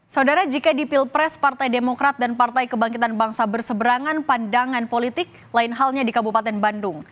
saudara jika di pilpres partai demokrat dan partai kebangkitan bangsa berseberangan pandangan politik lain halnya di kabupaten bandung